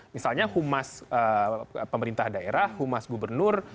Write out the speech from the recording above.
misalnya humas pemerintah daerah humas gubernur